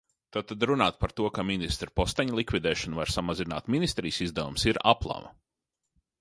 Tātad runāt par to, ka ministra posteņa likvidēšana var samazināt ministrijas izdevumus, ir aplama.